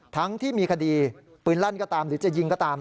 ทั้งที่มีคดีปืนลั่นก็ตามหรือจะยิงก็ตาม